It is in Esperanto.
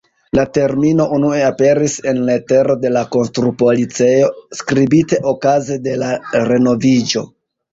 La termino unue aperis en letero de la konstrupolicejo skribite okaze de la renoviĝo.